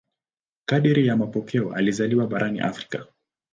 Kadiri ya mapokeo alizaliwa barani Afrika.